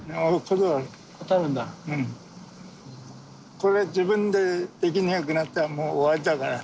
これ自分でできなくなったらもう終わりだから。